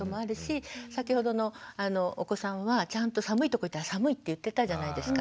先ほどのお子さんはちゃんと寒いとこ行ったら「寒い」って言ってたじゃないですか。